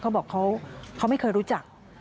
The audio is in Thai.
เขาบอกเขาไม่เคยรู้จัก